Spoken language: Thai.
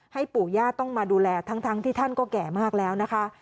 ปู่ย่าต้องมาดูแลทั้งที่ท่านก็แก่มากแล้วนะคะ